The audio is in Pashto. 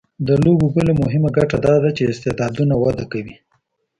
د لوبو بله مهمه ګټه دا ده چې استعدادونه وده کوي.